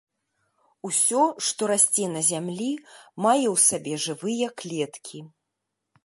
Усё, што расце на зямлі, мае ў сабе жывыя клеткі.